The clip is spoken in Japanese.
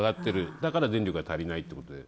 だから電力が足りないということで。